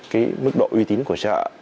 cái mức độ uy tín của chợ